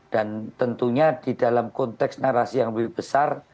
dan tentunya di dalam konteks narasi yang lebih besar